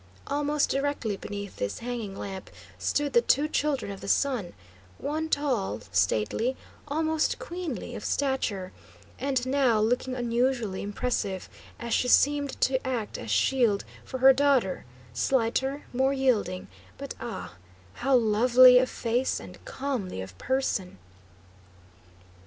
Almost directly beneath this hanging lamp stood the two Children of the Sun, one tall, stately, almost queenly of stature, and now looking unusually impressive, as she seemed to act as shield for her daughter, slighter, more yielding, but ah, how lovely of face and comely of person!